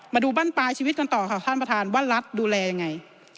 มาดูบ้านปลายชีวิตกันต่อค่ะท่านประธานว่ารัฐดูแลยังไง